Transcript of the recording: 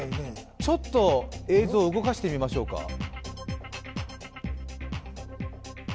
ちょっと映像を動かしてみましょうか。